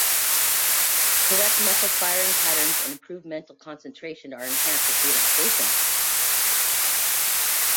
Correct muscle firing patterns and improved mental concentration are enhanced with relaxation.